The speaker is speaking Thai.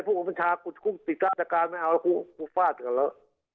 พวกประชาคุณสิทธิ์ศาสตร์การไม่เอาแล้วคุกฟาดกันแล้ว